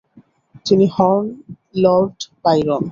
তিনি হন Lord Byron.